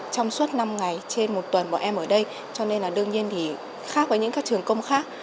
trong suốt năm ngày trên một tuần bọn em ở đây cho nên là đương nhiên thì khác với những các trường công khác